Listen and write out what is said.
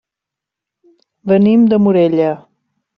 Venim de Morella.